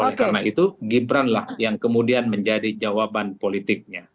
oleh karena itu gibran lah yang kemudian menjadi jawaban politiknya